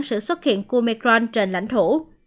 sự xuất hiện của omicron trên lãnh thổ